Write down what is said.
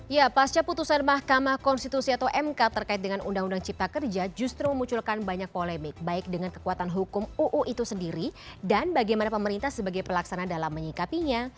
ya pasca putusan mahkamah konstitusi atau mk terkait dengan undang undang cipta kerja justru memunculkan banyak polemik baik dengan kekuatan hukum uu itu sendiri dan bagaimana pemerintah sebagai pelaksana dalam menyikapinya